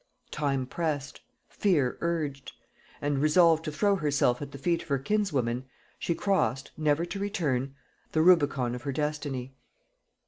Time pressed; fear urged; and resolved to throw herself at the feet of her kinswoman, she crossed, never to return, the Rubicon of her destiny.